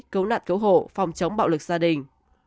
cứu nạn cứu hộ phòng chống bạo lực gia đình